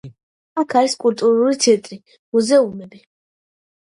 აქ არის კულტურული ცენტრები, მუზეუმები.